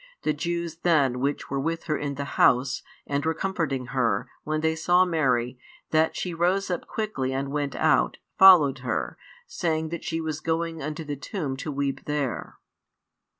The Jews then which were with her in the house, and were comforting her, when they saw Mary, that she rose up quickly and went out, followed her, saying that she was going unto the tomb to weep there.